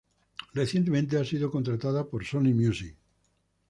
Recientemente ha sido contratada por Sony Music.